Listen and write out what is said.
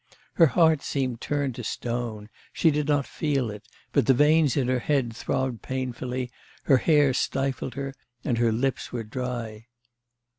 Her heart seemed turned to stone, she did not feel it, but the veins in her head throbbed painfully, her hair stifled her, and her lips were dry.